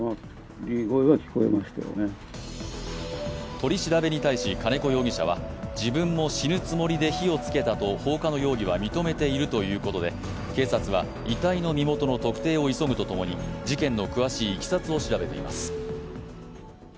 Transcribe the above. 取り調べに対し金子容疑者は自分も死ぬつもりで火をつけたと放火の容疑は認めているということで警察は遺体の身元の特定を急ぐとともに事件の詳しいいきさつを調べています。